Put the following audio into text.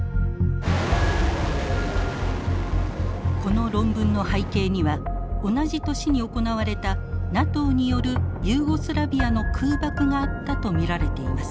この論文の背景には同じ年に行われたＮＡＴＯによるユーゴスラビアの空爆があったと見られています。